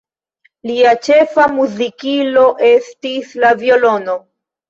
Lia ĉefa muzikilo estis la violono.